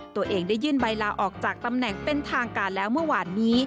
ตัวเองได้ยื่นใบลาออกจากตำแหน่งเป็นทางการแล้วเมื่อวานนี้